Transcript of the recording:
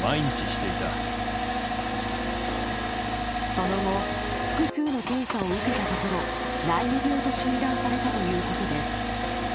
その後複数の検査を受けたところライム病と診断されたということです。